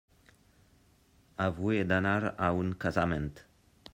Avui he d'anar a un casament.